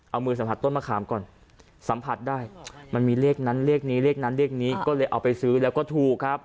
เอามือสัมผัสต้นมะขามก่อนสัมผัสได้มันมีเลขนั้นเลขนี้เลขนั้นเลขนี้ก็เลยเอาไปซื้อแล้วก็ถูกครับ